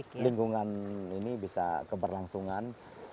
karena lingkungan ini bisa keberlangsungan